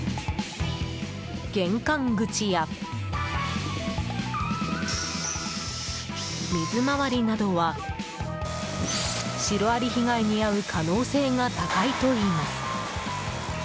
玄関口や、水回りなどは白アリ被害に遭う可能性が高いといいます。